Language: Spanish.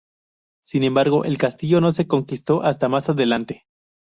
Sin embargo, el castillo no se conquistó hasta más adelante.